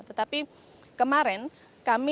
tetapi kemarin kami